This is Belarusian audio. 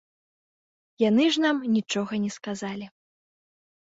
Яны ж нам нічога не сказалі.